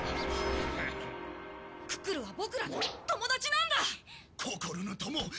ククルは僕らの友達なんだ！